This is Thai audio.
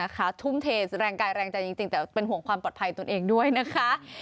ทุ่มเทแรงกายแรงใจจริงแต่เป็นห่วงความปลอดภัยตนเองด้วยนะคะ